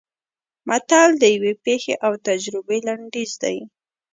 متل د یوې پېښې او تجربې لنډیز دی